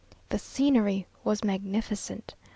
The scenery was magnificent.